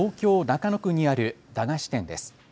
中野区にある駄菓子店です。